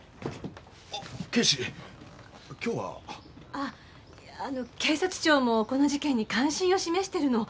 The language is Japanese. ああいやあの警察庁もこの事件に関心を示してるの。